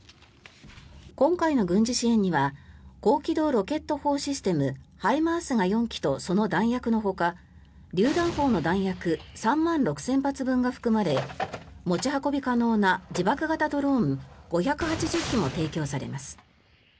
今回の軍事支援には高機動ロケット砲システムＨＩＭＡＲＳが４基とその弾薬のほかりゅう弾砲の弾薬３万６０００発分が含まれ持ち運び可能な自爆型ドローン５８０機も提供されます。